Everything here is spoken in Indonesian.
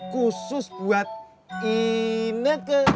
khusus buat ini ke